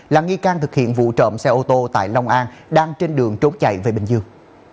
là nghi can thực hiện vụ trộm xe ô tô tại long an đang trên đường trốn chạy về bình dương